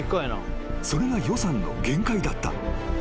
それが予算の限界だった］